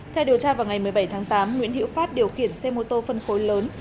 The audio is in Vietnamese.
theo điều tra vào ngày một mươi bảy tháng tám nguyễn hữu phát điều khiển xe mô tô phân khối lớn